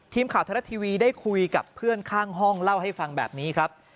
ทีมข่าวไทยรัฐทีวีได้คุยกับเพื่อนข้างห้องเล่าให้ฟังแบบนี้ครับ